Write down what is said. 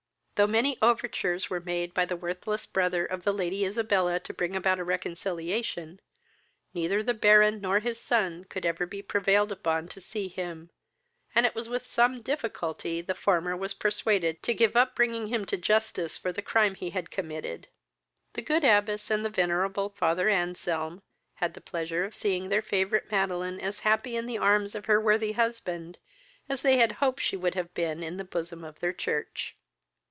Though many overtures were made by the worthless brother of the Lady Isabella to bring about a reconciliation, neither the Baron nor his son could ever be prevailed upon to see him, and it was with some difficulty the former was persuaded to give up bringing him to justice for the crime he had committed. The good abbess and the venerable father Anselm had the pleasure of seeing their favourite Madeline as happy in the arms of her worthy husband, as they had hoped she would have been in the bosom of their church.